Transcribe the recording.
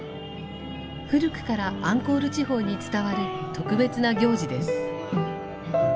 古くからアンコール地方に伝わる特別な行事です。